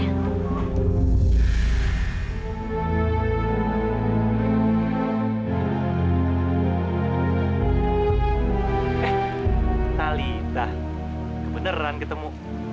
eh talitha kebeneran ketemu